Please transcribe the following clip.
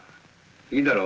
いいだろう。